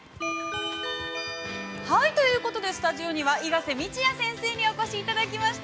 ◆はい、ということでスタジオには、伊賀瀬道也先生にお越しいただきました。